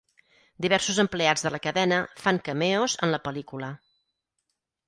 Diversos empleats de la cadena fan cameos en la pel·lícula.